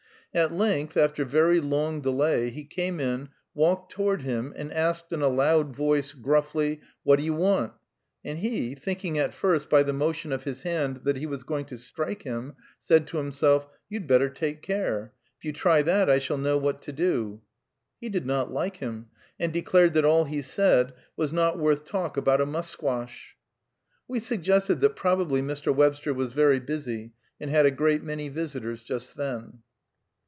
At length, after very long delay, he came in, walked toward him, and asked in a loud voice, gruffly, "What do you want?" and he, thinking at first, by the motion of his hand, that he was going to strike him, said to himself, "You'd better take care; if you try that I shall know what to do." He did not like him, and declared that all he said "was not worth talk about a musquash." We suggested that probably Mr. Webster was very busy, and had a great many visitors just then.